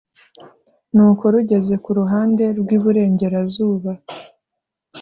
Nuko rugeze ku ruhande rw iburengerazuba